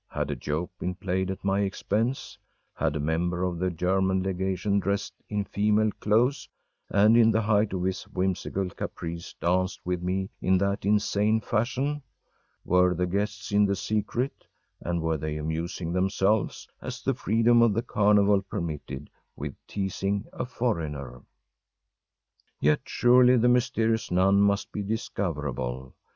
Had a joke been played at my expense? Had a member of the German legation dressed in female clothes, and in the height of his whimsical caprice danced with me in that insane fashion? Were the guests in the secret, and were they amusing themselves as the freedom of the carnival permitted with teasing a foreigner? Yet surely the mysterious nun must be discoverable.